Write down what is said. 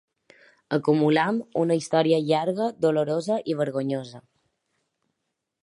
Acumulem una història llarga, dolorosa i vergonyosa.